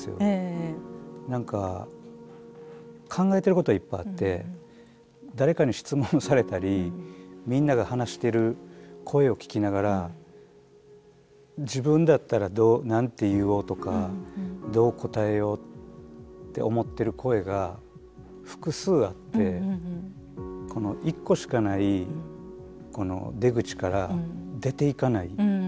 何か考えてることはいっぱいあって誰かに質問をされたりみんなが話してる声を聞きながら自分だったら何て言おうとかどう答えようって思ってる声が複数あってこの一個しかない出口から出ていかない。